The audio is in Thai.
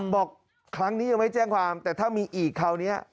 บอกครั้งนี้ยังไม่แจ้งความแต่ถ้ามีอีกคราวนี้